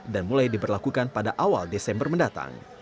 dan mulai diberlakukan pada awal desember mendatang